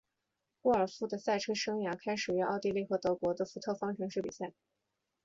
沃尔夫的赛车生涯开始于奥地利和德国的福特方程式比赛。